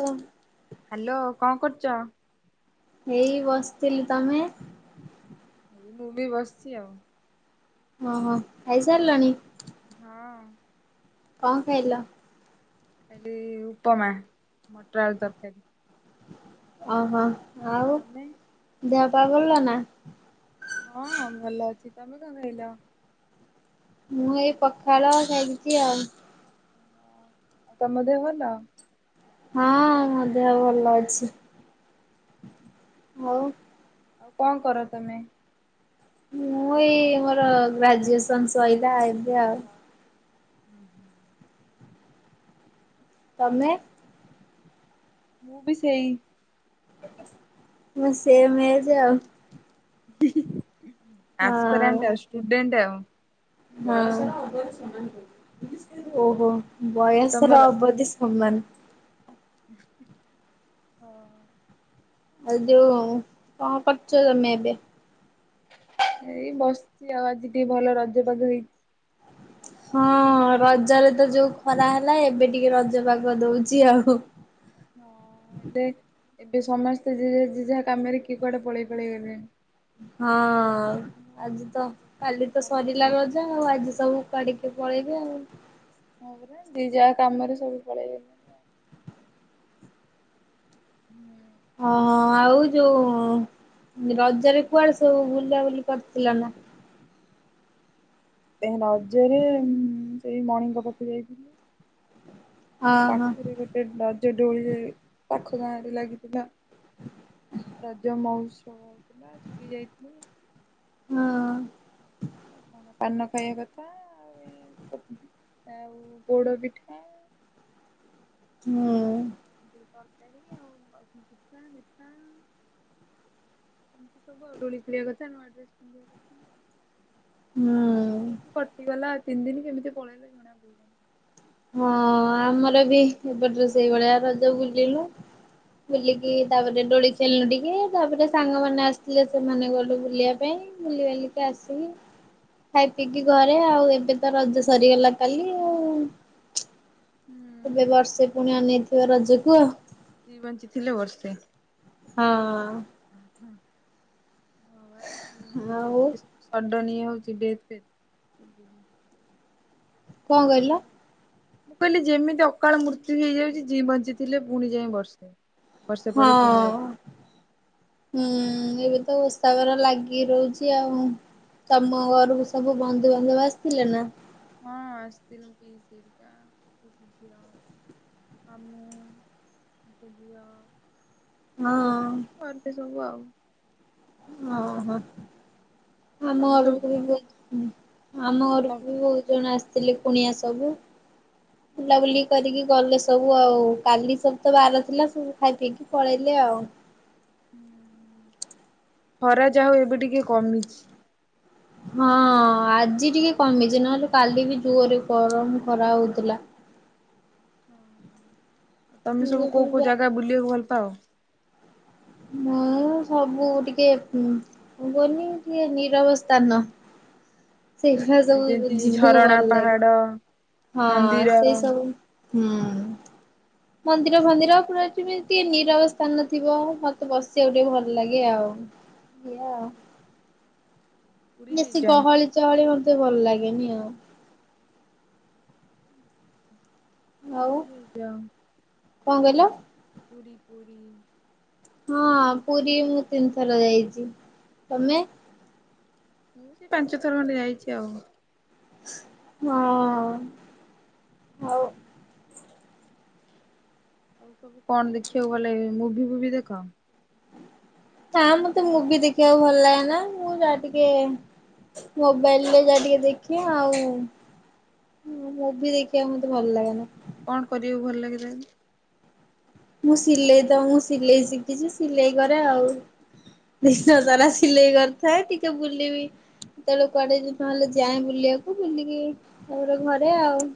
ଓ। Hello କଣ କରୁଚ? ଏଇ ବସିଥିଲି। ତମେ? ଏଇ ମୁଁ ବି ବସିଛି ଆଉ। ଓହୋ। ଖାଇସାରିଲାଣି? ହଁ। କଣ ଖାଇଲ? ଖାଇଲି ଉପମା ମଟର ଆଳୁ ତରକାରୀ। ଓହୋ ଆଉ ତମେ? ଦେହ ପାଅ ଭଲ ନା? ହଁ ଭଲ ଅଛି। ତମେ କଣ ଖାଇଲ? ମୁଁ ଏଇ ପଖାଳ ଖାଇଚି ଆଉ। ତମ ଦେହ ଭଲ? ହଁ ମୋ ଦେହ ଭଲ ଅଛି। ହଉ। ଆଉ କଣ କର ତମେ? ମୁଁ ଏଇ ମୋର ଗ୍ରାଜୁଏସନ ସଇଲା ଏବେ ଆଉ। ଅ ହୁଁ, ହୁଁ। ତମେ? ମୁଁ ବି ସେଇ। ମୁଁ ସେମ୍ ଏଜ୍ ଆଉ। ହଁ। [inaudible] ଆସପରାଣ୍ଟ ଷ୍ଟୁଣ୍ଡେଟ ଆଉ। ହଁ, ଓହ। ଆଉ ବୟସର ତମର? ଅବଧି ସମାନ। ହଁ [unintelligible] ଏଇ ବସିଛି ଆଉ ଆଜି ଟିକେ ଭଲ ରଜପାଗ ହେଇଛି। ହଁ ରଜରେ ତ ଯୋଉ ଖରା ହେଲା ଏବେ ଟିକେ ରଜ ପାଗ ଦଉଛି ଆଉ। ହଁ ଏବେ ଏବେ ସମସ୍ତେ ଜଜେ ଜେ ଯାହା କାମରେ କିଏ କୁଆଡେ ପଳେଇ ପଳେଇଗଲେଣି। ହଁ ଆଜିତ ସବୁ କାଲିତ ସରିଲା କର୍ମମୟ ରଜା। ଆଉ ଆଜି ସବୁ କୁଆଡିକେ ପଳେଇବେ ଆଉ। ହଁ ପୁରା ଯି ଯାହା କାମରେ ସବୁ ପଳେଇ ହୁଁ ହଁଁ ଆଉ ଯୋଉ ରଜରେ କୁଆଡେ ସବୁ ବୁଲାବୁଲି କରିଥିଲା ନା? ସେ ନଜରରେ ସେଇ ମଣିଙ୍କ ପାଖେ ଯାଇଥିଲି। ଆଉ ଅହ ପାଖରେ ଗୋଟେ ରଜ ଡୋଳିରେ ପାଖ ଗାଁ ରେ ଲାଗିଥିଲା। ରଜ ମହୋତ୍ସବ ହଉଥିଲା ସେଠିକି ଯାଇଥିଲୁ। ହଁ କଣ ପାନ ଖାଇବା କଥା ଆଉ ଆଉ ଗୋଡ ପିଠା। ହୁଁ ତରକାରି ଆଉ ପିଠା ମିଠା। ସବୁ ଆଉ ଡଳିି ଖେଳିବା କଥା ଆଉ ନୂଆ ଡ୍ରେସ ପିନ୍ଧିବା କଥା। ହୁଁ ଏମିତି ହେଇକି କଟିଗଲା ତିନି ଦିନ କେମିତି ପଳେଇଲେ ଜଣା ପଇଲାନି। ହଁ ଆମର ବି ଏପଟରେ ସେଇଭଳିଆ ରଜ ବୁଲିଲୁ। ବୁଲିକି ତାପରେ ଡୋଳି ଚାଲିଲୁ ଟିକେ ତାପରେ ସାଙ୍ଗମାନୋନେ ଆସିଥିଲେ ସେମାନେ ଗଠୁ ବୁଲିବା ପାଇଁ। ବୁଲି ବାଲିିକି ଆସିକି ଖାଇ ପିଇକି ଘରେ ଆଉ ଏବେ ତ ରଜ ସରିଗଲା କାଲି ଆଉ। ହୁଁ ଏବେ ବର୍ଷେ ପୁଣି ଆନେଇଥିବା ରଜକୁ ଆଉ। ବଞ୍ଚିଥିଲେ ବର୍ଷେ ହଁ ହ ପା ଆଉ ଯେମିତି ସଡନ ଇଏ ହଉଛି ଡେଥ ଫେଥ। କଣ କହିଲ? ମୁ କହିଲି ଯେମିତି ଅକାଳ ମୃତ୍ୟୁ ହେଇଯାଉଛି ଜି ବଞ୍ଚିଥିଲେ ପୁଣି ଯାଇ ବର୍ଷେ ବର୍ଷେ ପରେ ପୁଣି ହଁ ବା ହୁଁ ଏବେ ତ ଉଷବାର ଲାଗି ରହୁଛି ଆଉ। ତମ ଘରକୁ ସବୁ ବନ୍ଧୁବାନ୍ଧବ ଆସିଥିଲେ ନା? ମାଁ ଆସିଥିଲେ ପିଇସି ହେରିକା। [unintelligible] ହଁ ଆସିଥିଲେ ଗଲେ ସବୁ ଆଉ। ଓହୋ ଆମ ତମେ ସବୁ ଘରକୁ କଣ ବି ଆମ କଣ ଘରକୁ ବି ବହୁତ ଜଣ ଆସିଥିଲେ କୁଣିଆ ସବୁ ବୁଲାବୁଲି କରିକି ଗଲେ। ସବୁ ଆଉ କାଲି ସବୁ ତ ବାର ଥିଲା ସବୁ ଖାଇ ପିଇକି ପଳେଇଲେ ଆଉ। ଉଁ ହୁଁ ଖରା ଯଉ ଏବେ ଟିକେ କମିଛି। ହଁ ଆଜି ଟିକେ କମିଛି ନହେଲେ କାଲି ବି ଜୋଅରେ ଗରମ ଖରା ହଉଥିଲା। ହ ତମେ ସବୁ କୋଉ କୋଉ ଜାଗା ବୁଲିବାକୁ ଭଲ ପାଅ? ମୁଁ ସବୁ ଟିକେ ମୁ କହନି ଟିକେ ନିରବ ସ୍ଥାନ। [unintelligible] [unintelligible] ମାନେ ସବୁ ଯେମିତି ଯିବାକୁ ଝରଣା ଭଲ ଲାଗେ। ପାହାଡ ହଁ ସେଇ ମନ୍ଦିର ସବୁ। ହୁଁ ମନ୍ଦିର ଫନ୍ଦିର ପ ଏମତି ଟିକେ ନିରବ ସ୍ଥାନ ଥିବ। ମ ତେ ବସିବାକୁ ଟିକେ ଭଲ ଲାଗେ ଆଉ ଇଏ ଆଉ। ପୁରୀ ବେଶୀ ଯାଇଛ? ଗହଳି ଚହଳି ମତେ ଭଲ ଲାଗେନି ଆଉ। ଆଉ ପୁରୀ ଯାଇଛ? କଣ କହିଲ? ପୁରୀ ପୁରୀ ହଁ ପୁରୀ ମୁଁ ତିନିଥର ଯାଇଛି। ତମେ? ମୁଁ ସେ ପାଞ୍ଚ ଥର ଖଣ୍ଡେ ଯାଇଛି ଆଉ। ହଁ ହଉ ଆଉ ସବୁ କଣ ଦେଖିବାକୁ ଗଲେ ମୁଭି ଫୁଭି ଦେଖ? ହ ମତେ ମୁଭି ଦେଖିବାକୁ ଭଲ ଲାଗେ ନା ମୁଁ ଯା ଟିକେ ମୋବାଇଲରେ ଯା ଟିକେ ଦେଖି ଆଉ ହଁ ମୁଁଭି ଦେଖିବା ମତେ ଭଲ ଲାଗେନି। କଣ କରିବାକୁ ଭଲ ଲାଗେ? ମୁଁ ସିଲେଇ ତ ମୁଁ ସିଲେଇ ଶିଖିଛି ସିଲେଇ କରେ ଆଉ। ଦିନ ସାରା ଓହୋ ସିଲେଇ କରିଥାଏ ଟିକେ ବୁଲିବି କେତେବେଳେ କୁଆଡେ ନହେଲେ ଯାଏଁ ବୁଲିବାକୁ, ବୁଲିକି ତାପର ଘରେ ଆଉ।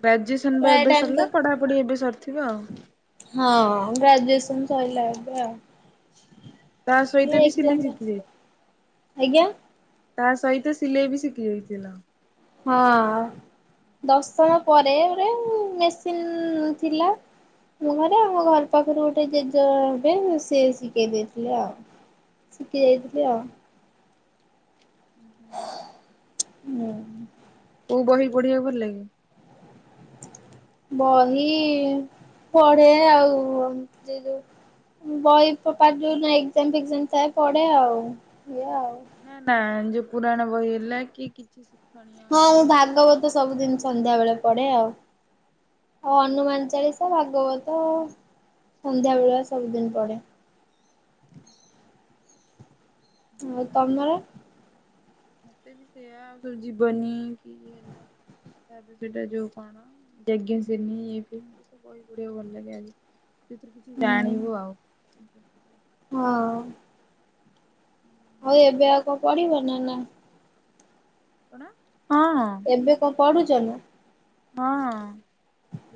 ଗ୍ରାଜୁଏସନ ବା ପ୍ରାୟ ଏବେ ଟାଇମ୍ ତ ସରିଲା, ପଢାପଢି ଏବେ ସରିଥିବ ଆଉ? ହଁ ଗ୍ରେଜୁଏସନ୍ ସଇଲା ଏବେ ଆଉ। ତା ସହିତ ବି ଏକ୍ଜାମ ସିଲେଇ ଶିଖି ଯାଇଛ? ଆଜ୍ଞା ତା ସହିତ ସିଲେଇ ବି ଶିଖି ଯାଇଥିଲ? ହଁ। ଦଶଣ ପରେ ଗୋଟେ ଏ ମେସିନ୍ ଥିଲା। ଘରେ ଆମ ଘର ପାଖରେ ଗୋଟେ ଜେଜ ହେବେ ସିଏ ଶିଖେଇ ଦେଇଥିଲେ ଆଉ। ଶିଖି ଯାଇଥିଲି ଆଉ। [inaudible] ମୁଁ। କୋଉ ବହି ପଢିବାକୁ ଭଲ ଲାଗେ? ବହି ପଢେ଼ ଆଉ ସେ ଯୋଉ ବହି [unintelligible] ଯୋଉ ଏକ୍ଜାମ ଫଜାମ ଥାଏ ପଢେ ଆଉ ଇଏ ଆଉ। ନା ନା ଯେଉ ପୁରାଣ ବହି ହେଲା କି କିଛି ଶିକ୍ଷଣୀୟ ହଁ କି ମୁଁ ଭାଗବତ ସବୁଦିନ ସନ୍ଧ୍ୟା ବେଳେ ପଡେ ଆଉ, ଆଉ ହନୁମାନ ଚାଳିଶ ହଁ ଭାଗବତ ସନ୍ଧ୍ୟାବେଳିଆ ସବୁଦିନ ପଢ଼େ। ହେଲା ଆଉ [inaudible] ମୋତେ ବି ସେୟା ଆଉ ଥରେ ଯିବନି। [unintelligible] ବହି ପଢ଼ିବାକୁ ଭଲ ଲାଗେ। ଆଜି ସେଥିରୁ କିଛି ହୁଁ ଜାଣିବୁ ଆଉ। ହଁ। ଆଉ ଏବେ ଆଉ କଣ ପଢିବ? ନା ନା। କଣ? ହଁ। ଏବେ କଣ ପଡୁଛ ନା? ହଁ,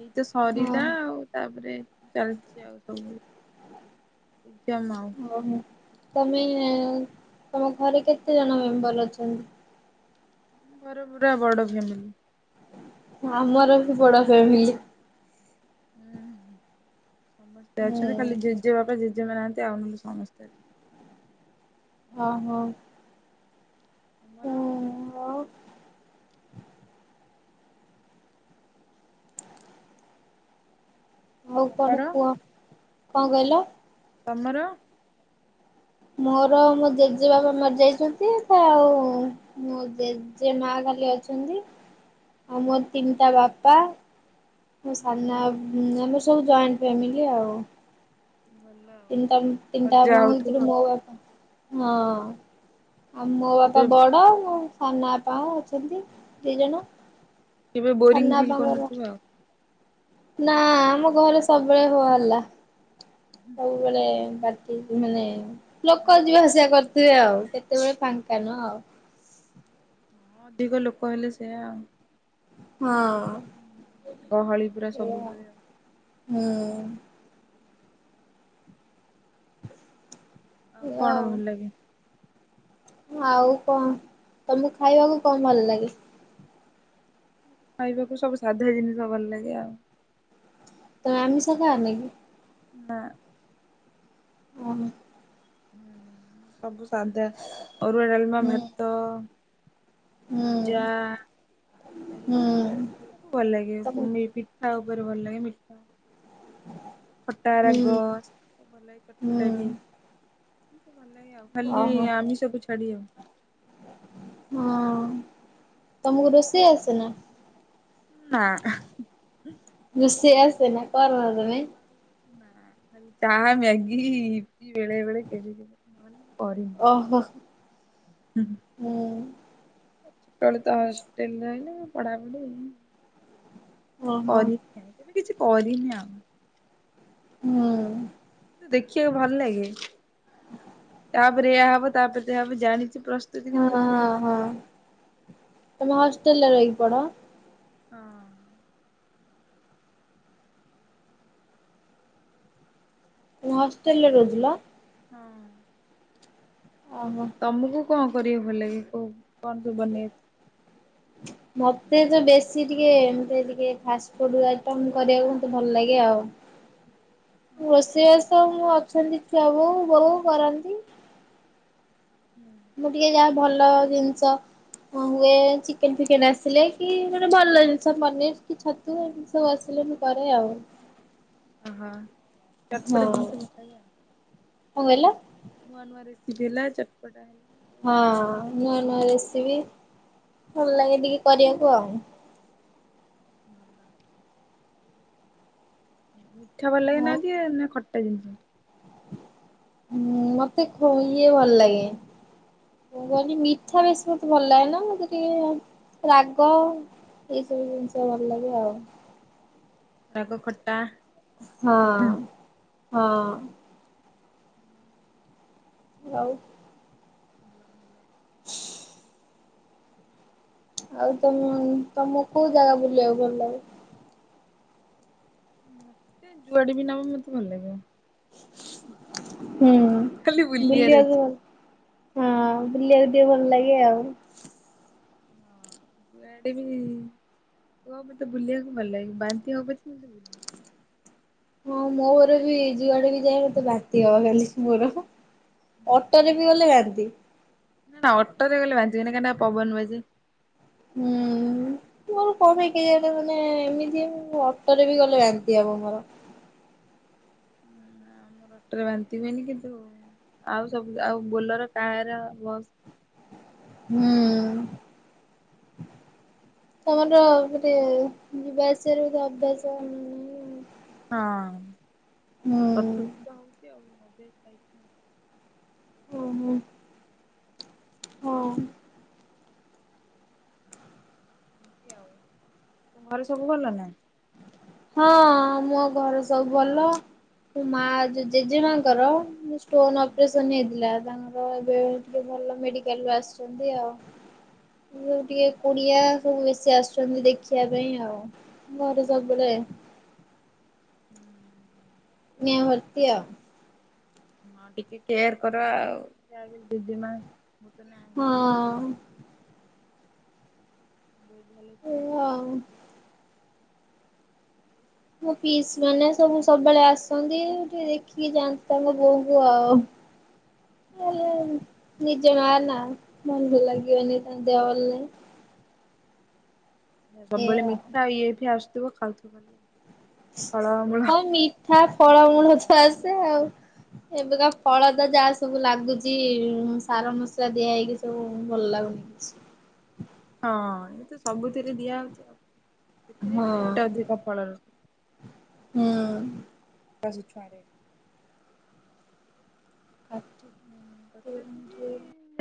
ଏଇତ ହଁ ସରିଲା ଆଉ ତାପରେ ଚାଲିଛି ଆଉ ସବୁବେଳେ ଏଜାମ ଆଉ। ଓହୋ। ତମେ ତମ ଘରେ କେତେ ଜଣ ମେମ୍ବର ଅଛନ୍ତି? ମର ପୁରା ବଡ଼ ଫ୍ୟାମିଲି। ଆମର ବି ବଡ଼ ଫ୍ୟାମିଲି। ହୁଁ ସମସ୍ତେ ହୁଁ ଅଛନ୍ତି ଖାଲି ଜେଜେବାପା ଜେଜେମା ନାହାନ୍ତି ଆଉ ନହେଲେ ସମସ୍ତେ ଓ ହୋଉ। ତୁମର ଆଉ ଆଉ କଣ ତମର କୁହ, କଁ କହିଲ? ତମର ମୋର ମୋ ଜେଜେବାପା ମରି ଯାଇଚନ୍ତି ତ ମୋ ଜେଜେମା ଖାଲି ଅଛନ୍ତି। ଆଉ ମୋର ତିନ୍ଟା ବାପା ମୋ ସାନା ହୁଁ ଆମେ ସବୁ ଜଏଣ୍ଟ୍ ଫ୍ୟାମିଲି ଆଉ। ଭଲ। ଆଉ। ତିନଟା ତିନଟା ମଜା ବାପା ମା ଙ୍କ ହଉଥିବ ଭିତରୁ ଆଉ ମୋ ବାପା ହଁ ଆଉ ମୋ କେବେ ବାପା ବଡ। ସାନ ବାପା ଅଛନ୍ତି ଦି ଜଣ। କେବେ ସାନ ବୋରିଂ ଫିଲ୍ ବାପାଙ୍କର କରିନଥିବ ଆଉ। ନା ଆମ ଘରେ ସବୁବେଳେ ହୋହାଲ୍ଲା, ସବୁବେଳେ ପା ମାନେ ଲୋକ ହଁ। ଯିବା ଆସିବା କରିଥିବେ ଆଉ କେତେବେଳେ ଫାଙ୍କା ନୁହଁ ଆଉ। ହଁ ଅଧିକ ଲୋକ ହେଲେ ସେୟା ଆଉ। ହଁ। ଗହଳି ପୁରା ସବୁବେଳେ ଆଉ। ମୁଁ। ଆଉ କଣ ଭଲ୍ ଲାଗେ? ଆଉ କଁ ତମୁକୁ ଖାଇବାକୁ କଁ ଭଲ୍ ଲାଗେ? ଖାଇବାକୁ ସବୁ ସାଧା ଜିନିଷ ଭଲ ଲାଗେ ଆଉ। ତମେ ଆମିଷ ଖାଆନି? ନା। ଓଃ। ହୁଁ ସବୁ ସଧା ଅରୁଆ ଭାତ ଡ଼ାଲ୍ମା ହୁଁ ଭାତ ଭଜା ହୁଁ କାରୀ ହୁଁ ସବୁ ଭଲ୍ ଲାଗେ ତମକୁ ପିଠା ଉପରେ ଭଲ ଲାଗେ ମିଠା [inaudible] ଖଟା ହୁଁ ରାଗ ସବୁ ଭଲ ଲାଗେ ହୁଁ ଚଟପଟା ବିୁ ଭଲ୍ ଲାଗେ ଆଉ। ଖାଲି ଓହୋ ଆମିଷକୁ ଛାଡ଼ି ଆଉ। ହଁ ତମକୁ ରୋଷେଇ ଆସେ ନା? ନାଁ। ମିଷେଇ ଆସେ ନା କରନ୍ତନି? ନାଁ ଖାଲି ଚାହା ମ୍ୟାଗି ଇପି ବେଳେବେେଳେ କେବେ କେବେ। ନହେଲେ ମୁଁ କରି ଓହୋ ହୁଁ। ଛୋଟବେଳେ ତ ହଷ୍ଟେଲେ ରହିଲେ ପଡ଼ାପଡ଼ି ମୁଁ କିଛି ଓହୋ କରିନି, କେବେ କିଛି କରିନି ହୁଁ ହଁ ଆଉ। ଦେଖିବାକୁ ଭଲ୍ ଲାଗେ ତାପରେ ଏୟା ହବ ତାପରେ ସେୟା ହବ ଜାଣିଚି ପ୍ରଶ୍ ଦି କିନ୍ତୁ ପରେ। ତମ ହଷ୍ଟେଲ୍ ରେ ରହିକି ପଢ଼? ହଁ। କୋଉ ହାଷ୍ଟେଲରେ ରହୁଥିଲା? ହୁଁ ଉଁ ଓହୋ। ତମକୁ କଣ କରିବାକୁ ଭଲ ଲାଗେ, କୋଉ କଣ ସବୁ ବନେଇବାକୁ? [inaudible] ମତେ ତ ବେଶୀ ଟିକେ, ଏମିତି ଟିକେ ଫାଷ୍ଟ ଫୁଡ୍ ଆଇଟମ୍ କରିବାକୁ ମତେ ଭଲ ଲାଗେ ଆଉ। ଓହୋ ରୋଷେଇବାସ ମୁଁ ଅଛନ୍ତି ଛୁଆ ବୋଉ, ବୋଉ କରନ୍ତି। ହୁଁ। ମୁଁ ଟିକେ ଯାହା ଭଲ ଜିନିଷ୍ ହଁ ହୁଏ, ଚିକେନ୍ ଫିକେନ୍ ଆସିଲେ, କି ମାନେ ଭଲ ଜିନିଷ୍ ପନିର୍ କି ଛତୁ, ଏମି ସବୁ ଆସିଲେ ମୁଁ କରେ ଆଉ। ଓହୋ। ଚଟପଟା ହଉ, ଜିନିଷ କଣ ଭଲ ଲାଗେ ଆଉ। କହିଲେ? ନୂଆ ନୂଆ ରେସିପି ହେଲା, ଚଟ୍ ପଟା ହେଲା ହଁ, ନୂଆ ନୂଆ ରେସିପି, ଭଲ ଲାଗେ ଟିକେ କରିବାକୁ ଆଉ। ଭଲ। ମିଠା ଭଲ ଆଉ ଲାଗେ [unintelligible] ନା ଖଟା ଜିନିଷ? ହୁଁ, ମତେ ଖୁ ଇଏ ଭଲ ଲାଗେ। ମୁଁ କଇନି ମିଠା ବେଶୀ ମତେ ଭଲ ଲାଗେ ନା, ମତେ ଟିକେ ରାଗ ଏଇ ସବୁ ଜିନିଷ ଭଲ ଲାଗେ ଆଉ। ରାଗ ଖଟା ହଁ ହଁ। ଆଉ ଭଲ ଭଲ। ଆଉ ତମ୍, ତମକୁ କୋଉ ଜାଗା ବୁଲିବାକୁ ଭଲ ଲାଗେ? ମତେ ଯୁଆଡ଼େବି ନବ, ମତେ ଭଲ ଲାଗିବ। ହୁଁ ଖାଲି ବୁଲିବାର ବୁଲିବାକୁ ଅଛି। ଭଲ, ହୁଁ ହଁ ବୁଲିବାକୁ ଟିକେ ଭଲ ଲାଗେ ଆଉ। ହଁ, ଇଆଡେ ବି କୁ ଆ ମତେ ବୁଲିବାକୁ ଭଲ ଲାଗିବ, ବାନ୍ତି ହଉ ପଛେ, ମତେ ବୁଲ ହଁ ମୋର ବି ଯୁଆଡେ ବି ଯାଏ, ମତେ ବାନ୍ତି ହବ ଖାଲି ମୋର। ଅଟୋରେ ବି ବଲେ ବାନ୍ତି ନା ଅଟୋରେ ଗଲେ ବାଧିବନି, କାଇଁନା ପବନ ବାଜେ। ହୁଁ ମୋର କଣ ପାଇଁ କେଇଆଣି ମାନେ ଏମିତି, ଅଟୋରେ ବି ଗଲେ ବାନ୍ତି ହବ ମୋର। ହୁଁ ମୋର ଅଟୋରେ ବାନ୍ତି ହୁଏନି କିନ୍ତୁ ଆଉ ସବୁ ଆଉ ବୋଲର୍, କାର୍, ବସ୍ ହୁଁ। ତମର ଗୋଟେ ଯିବାଆସିବାରେ ଗୋଟେ ଅଭ୍ୟାସ ହଁଅ, ହୁଁ। କରିଥିବୁ ତ ଏମିତି, ଆଉ [unintelligible] ଉଁ ହୁଁ। ହଁ। ଏମିତି ଆଉ, ତମେ ଘରେ ସବୁ ଭଲ ନା? ହଁ, ମୋ ଘରେ ସବୁ ଭଲ। ମୋ ମା, ଜେଜେମାଙ୍କର ଷ୍ଟୋନ୍ ଅପରେସନ୍ ହେଇଥିଲା, ତାଙ୍କ ହଁ ଏବେ ଟିକେ ଭଲ ମେଡିକାଲ ରୁ ଆସିଛନ୍ତି ଆଉ। ମୁଁ ଟିକେ ଓହୋ କୁଣିଆ ସବୁ ବେଶୀ ଆସୁଛନ୍ତି ଦେଖିବା ପାଇଁ ଆଉ। ମୋର ଓହୋ ସବୁବେଳେ ହୁଁ କୁଣିଆ ଭର୍ତ୍ତି ଆଉ। ହଁ ଟିକେ କେୟାର କର ଆଉ। ଯାହା ହେଲେ ଜେଜେ ମୋର ତ ନାହାଁନ୍ତି। ହଁ ବହୁତ୍ ଭଲ ଏଇଆ ଆଉ। [unintelligible] ମୋ ପିଇସ୍ ମାନେ ସବୁ ସବୁବେଳେ ଆସନ୍ତି ଟିକେ ଦେଖିକି ଯାଆନ୍ତି ତାଙ୍କ ବୋଉ ଙ୍କୁ ଆଉ। ହେଲେ ନିଜ ମା ନା, ମନ ଭଲ ଲାଗିବନି ତାଙ୍କ ଦେହ ଭଲ ନାହିଁ। ଏଇଆ ସବୁବେଳେ ଆଉ। ମିଠା ଇଏ ଫିଏ ଆସୁଥିବ ଖାଉଥିବ ଖାଲି। ଫଳମୂଳ ହଁ ମିଠା ଫଳମୂଳ ତ ଆସେ ଆଉ। ଏବେକା ଫଳ ତ ଯାହା ସବୁ ଲାଗୁଚି ସାର ମସଲା ଦିଆ ହେଇକି ସବୁ ଭଲ ଲାଗୁନି କିଛି। ହଁ ଏବେ ତ ସବୁଥିରେ ଦିଆହେଉଚି ଆଉ। ସେଥିରେ ବି ରେଟ୍ ଅଧିକ ଫଳ ର। ହୁଁ। [unintelligible] [unintelligible] ହୁଁ ତଥାପି ହଁ ବି ହୁଁ।